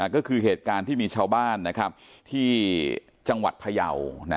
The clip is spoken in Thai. ก็คือเหตุการณ์ที่มีชาวบ้านที่จังหวัดพยาว